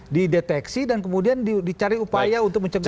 jadi ini dideteksi dan kemudian dicari upaya untuk mencegahnya